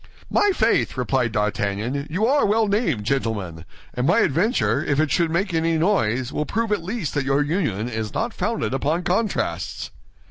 "My faith!" replied D'Artagnan, "you are well named, gentlemen; and my adventure, if it should make any noise, will prove at least that your union is not founded upon contrasts."